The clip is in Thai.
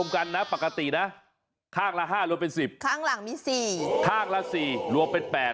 ข้างละ๔รวมเป็น๘